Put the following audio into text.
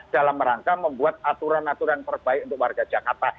dalam rangka membuat aturan aturan terbaik untuk warga jakarta